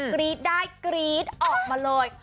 กรี๊ดได้กรี๊ดออกมาเลย